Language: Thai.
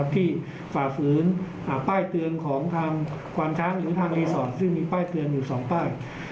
ฝ่าฝืนป้ายเตือนของทางควานช้างหรือทางรีสอร์ทซึ่งมีป้ายเตือนอยู่๒ป้าย